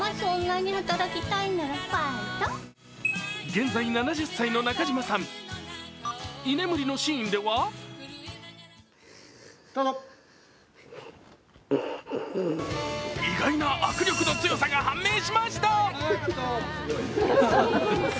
現在７０歳の中島さん、居眠りのシーンでは意外な握力の強さが判明しました。